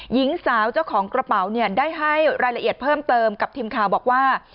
หญิงสาวเจ้าของกระเป๋าเนี่ยได้ให้รายละเอียดเพิ่มเติมกับทีมข่าวบอกว่า